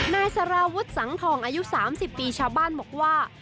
นายสารวุฒิสังทองอายุ๓๐ปีชาวบ้านบอกว่า